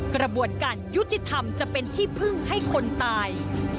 กระบวนการยุติธรรมจะเป็นที่พึ่งให้คนตาย